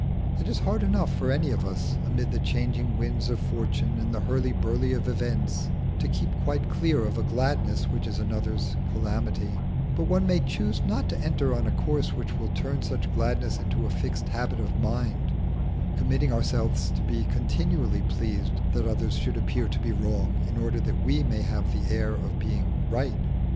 It is hard enough for any of us, amid the changing winds of fortune and the hurly burly of events, to keep quite clear of a gladness which is another's calamity; but one may choose not to enter on a course which will turn such gladness into a fixed habit of mind, committing ourselves to be continually pleased that others should appear to be wrong in order that we may have the air of being right.